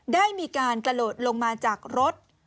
ได้มีการกระโดดลงมาจากรถ